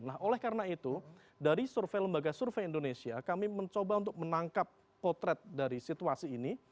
nah oleh karena itu dari survei lembaga survei indonesia kami mencoba untuk menangkap potret dari situasi ini